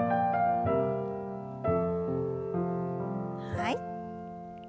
はい。